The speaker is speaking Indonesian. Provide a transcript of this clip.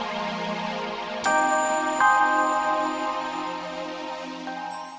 aku sama sekali gak ada niat buat bohongin kamu